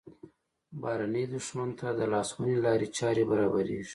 بهرني دښمن ته د لاسوهنې لارې چارې برابریږي.